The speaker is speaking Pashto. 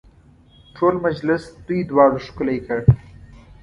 ټول مجلس دوی دواړو ښکلی کړ.